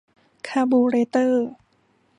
คาร์บูเรเตอร์